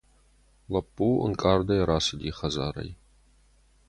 Лӕппу ӕнкъардӕй рацыди хӕдзарӕй.